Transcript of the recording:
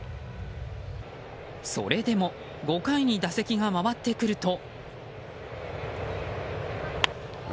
それでも５回に打席が回ってくると。